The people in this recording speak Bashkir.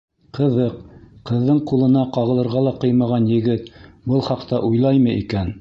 Ҡыҙыҡ, ҡыҙҙың ҡулына ҡағылырға ла ҡыймаған егет был хаҡта уйлаймы икән?